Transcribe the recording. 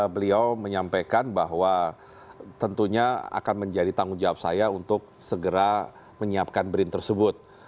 nah untuk brin ini beliau menyampaikan bahwa tentunya akan menjadi tanggung jawab saya untuk mencari riset dan teknologi yang lebih efektif